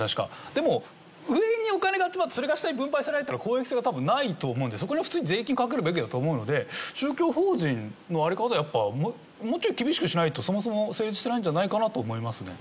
でも上にお金が集まってそれが下に分配されないっていうのは公益性が多分ないと思うのでそこも普通に税金かけるべきだと思うので宗教法人の在り方をやっぱもうちょい厳しくしないとそもそも成立してないんじゃないかなと思いますね。